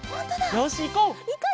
よしいこう！